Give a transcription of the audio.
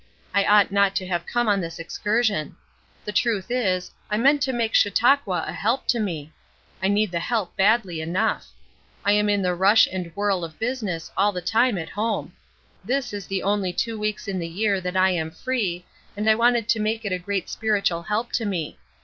I ought not to have come on this excursion. The truth is, I meant to make Chautauqua a help to me. I need the help badly enough. I am in the rush and whirl of business all the time at home. This is the only two weeks in the year that I am free, and I wanted to make it a great spiritual help to me.